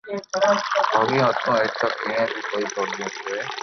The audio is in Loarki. ڀوگيو ھتو ايتو ڪيڻي ڀي ڪوئي ڀوگيو ھوئي